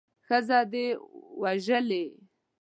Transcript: ښځه دې وژلې.